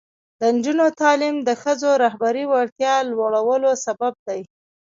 د نجونو تعلیم د ښځو رهبري وړتیا لوړولو سبب دی.